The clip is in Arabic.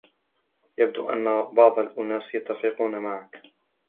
يبدو أن بعض الأناس يتفقون معك.